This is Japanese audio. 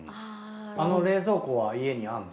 あの冷蔵庫は家にあるの？